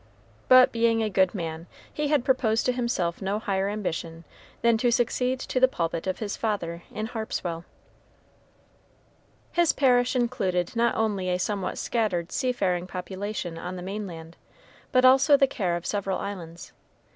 But, being a good man, he had proposed to himself no higher ambition than to succeed to the pulpit of his father in Harpswell. His parish included not only a somewhat scattered seafaring population on the mainland, but also the care of several islands.